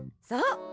そう。